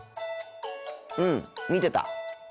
うん見てた。